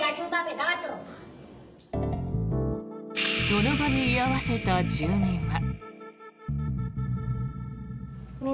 その場に居合わせた住民は。